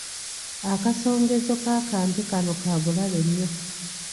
Akasongezo k'akambe kano ka bulabe nnyo.